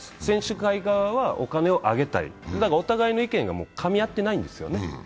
選手会側はお金をあげたい、だからお互いの意見がかみ合ってないんですよね。